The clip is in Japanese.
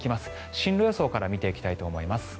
進路予想から見ていきたいと思います。